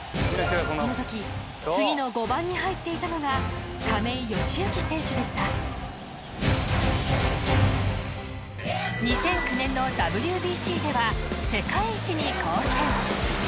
この時次の５番に入っていたのが亀井善行選手でしたでは世界一に貢献